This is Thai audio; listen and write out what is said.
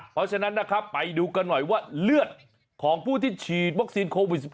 เพราะฉะนั้นนะครับไปดูกันหน่อยว่าเลือดของผู้ที่ฉีดวัคซีนโควิด๑๙